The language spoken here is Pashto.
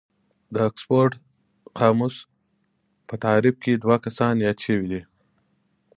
د اکسفورډ قاموس په تعريف کې دوه کسان ياد شوي دي.